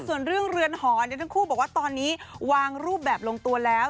ส่วนเรื่องเรือนหอทั้งคู่บอกว่าตอนนี้วางรูปแบบลงตัวแล้ว